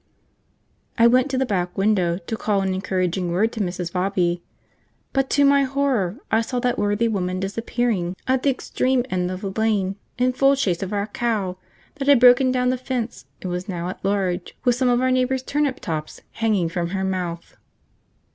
I went to the back window to call an encouraging word to Mrs. Bobby, but to my horror I saw that worthy woman disappearing at the extreme end of the lane in full chase of our cow, that had broken down the fence, and was now at large with some of our neighbour's turnip tops hanging from her mouth.